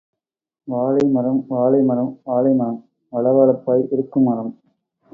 வாழைமரம் வாழைமரம், வாழைமரம் வழ வழப்பாய் இருக்கும் மரம்.